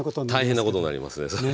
大変なことになりますねそれ。